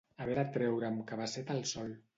Haver de treure amb cabasset al sol.